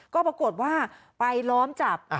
ก็ปรากฏว่าไปล้อมจับ